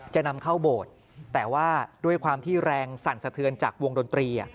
จะนำเข้าโบสถ์แต่ว่าด้วยความที่แรงสั่นสะเทือนจากวงดนตรี